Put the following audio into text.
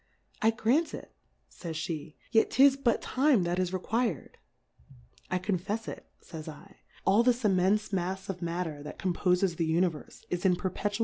I grant it, fays Jhe^ yet 'tis but Time, that is requir'd. I confefs it, fays 7, all this immenfe Mafs of Matter that compofes the Univerfe, is in p<irpetua!